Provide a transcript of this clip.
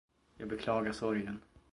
Jag beklagar sorgen!